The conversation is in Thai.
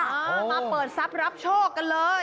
เออมาเปิดทรัพย์รับโชคกันเลย